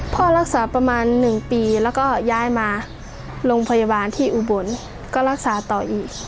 พ่อรักษาประมาณ๑ปีแล้วก็ย้ายมาโรงพยาบาลที่อุบลก็รักษาต่ออีก